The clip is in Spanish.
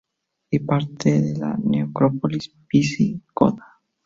Y parte de la necrópolis visigoda.